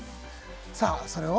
さあそれを？